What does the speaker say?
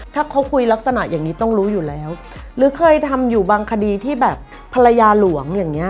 ถ้าเขาคุยลักษณะอย่างนี้ต้องรู้อยู่แล้วหรือเคยทำอยู่บางคดีที่แบบภรรยาหลวงอย่างเงี้